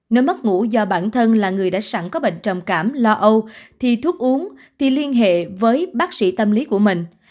nếu mất ngủ do bản thân là người đã sẵn có bệnh trầm cảm lo âu thì thuốc uống thì liên hệ với bác sĩ tâm lý của mình